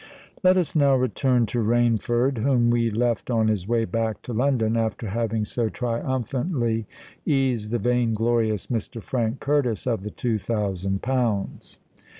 Let us now return to Rainford, whom we left on his way back to London, after having so triumphantly eased the vain glorious Mr. Frank Curtis of the two thousand pounds.